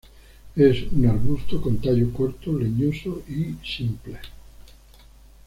Es un arbusto con tallo corto, leñoso y simple.